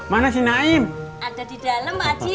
mana si naim ada di dalam haji